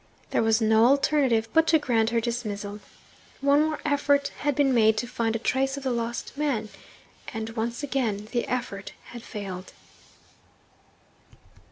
There was no alternative but to grant her dismissal. One more effort had been made to find a trace of the lost man, and once again the effort had failed.